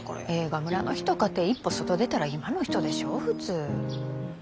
映画村の人かて一歩外出たら今の人でしょう普通。